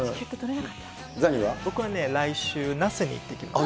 僕は来週、那須に行ってきます。